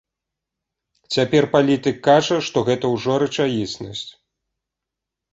Цяпер палітык кажа, што гэта ўжо рэчаіснасць.